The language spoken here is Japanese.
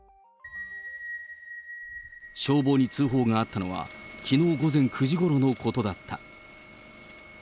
消防に通報があったのは、きのう午前９時ごろのことだった。